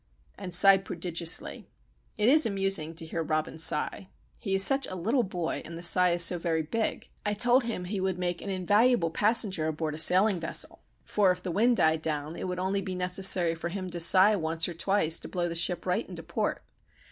and sighed prodigiously. It is amusing to hear Robin sigh. He is such a little boy, and the sigh is so very big. I told him he would make an invaluable passenger aboard a sailing vessel, for, if the wind died down, it would only be necessary for him to sigh once or twice to blow the ship right into port.